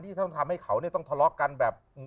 ที่ต้องทำให้เขาต้องทะเลาะกันแบบ